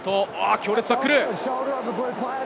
強烈なタックル。